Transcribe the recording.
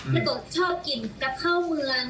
แล้วก็ชอบกินกาเพราเมือง